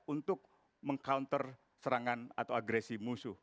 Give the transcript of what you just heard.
untuk meng counter serangan atau agresi musuh